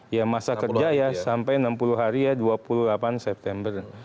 ya masa kerja ya sampai enam puluh hari ya dua puluh delapan september